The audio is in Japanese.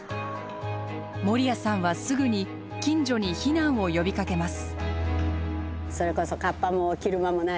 守屋さんはすぐに近所に避難を呼びかけます。